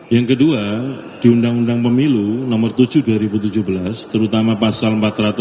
yang kedua di undang undang pemilu nomor tujuh dua ribu tujuh belas terutama pasal empat ratus tujuh puluh